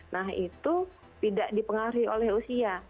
nah itu tidak dipengaruhi oleh usia